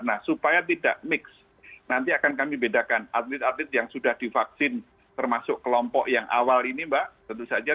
nah supaya tidak mix nanti akan kami bedakan atlet atlet yang sudah divaksin termasuk kelompok yang awal ini mbak tentu saja